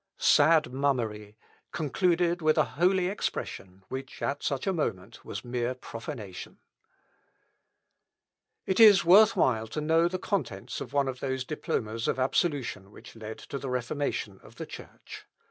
Sad mummery, concluded with a holy expression, which, at such a moment, was mere profanation! "Dreimal gelind auf den Rücken." (Instruction.) It is worth while to know the contents of one of those diplomas of absolution which led to the Reformation of the Church.